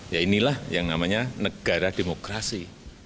ya inilah yang namanya negara demokrasi